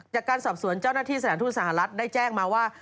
จากการสอบสวนเจ้าหน้าที่สถานทูตสหรัฐได้แจ้งมาว่า